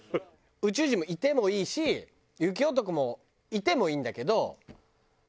宇宙人もいてもいいし雪男もいてもいいんだけど。